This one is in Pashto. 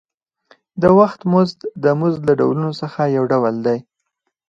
د وخت مزد د مزد له ډولونو څخه یو ډول دی